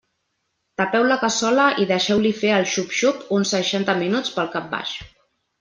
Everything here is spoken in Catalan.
Tapeu la cassola i deixeu-li fer el xup-xup uns seixanta minuts pel cap baix.